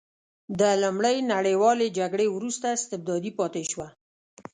د لومړۍ نړیوالې جګړې وروسته استبدادي پاتې شوه.